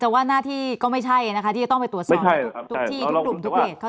แต่ว่าหน้าที่ก็ไม่ใช่นะคะที่จะต้องไปตรวจสอบทุกที่ทุกกลุ่มทุกเพจ